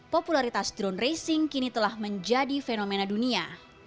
popularitas drone racing kini telah menjadi fenomena dunia